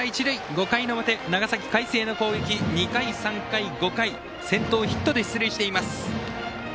５回の表、長崎・海星の攻撃２回、３回、５回先頭、ヒットで出塁しています。